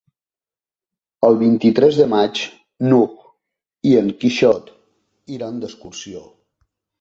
El vint-i-tres de maig n'Hug i en Quixot iran d'excursió.